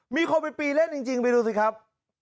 มีคนไปปีนเล่นจริงอินถึงไปดูดีครับ